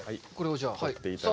取っていただいて。